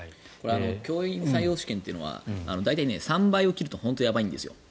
教員採用試験は大体、３倍を切ると本当にやばいんですよ。